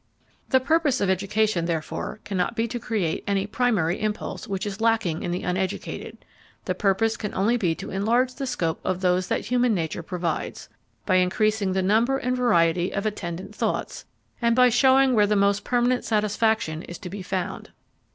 The purpose of education, therefore, cannot be to create any primary impulse which is lacking in the uneducated; the purpose can only be to enlarge the scope of those that human nature provides, by increasing the number and variety of attendant thoughts, and by showing where the most permanent satisfaction is to be found.